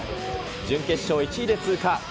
準決勝を１位で通過。